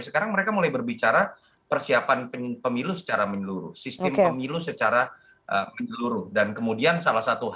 sekarang mereka mulai berbicara persiapan pemilu secara menyeluruh sistem pemilu secara menyeluruh